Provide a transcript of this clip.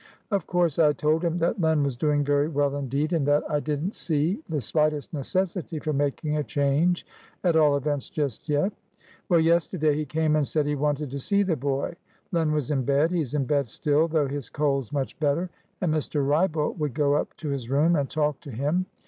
Of course I told him that Len was doing very well indeed, and that I didn't see the slightest necessity for making a change at all events just yet. Well, yesterday he came, and said he wanted to see the boy. Len was in bedhe's in bed still, though his cold's much better and Mr. Wrybolt would go up to his room, and talk to him.